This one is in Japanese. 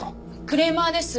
クレーマーです。